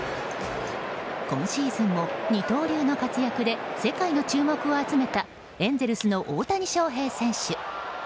今シーズンも二刀流の活躍で世界の注目を集めたエンゼルスの大谷翔平選手。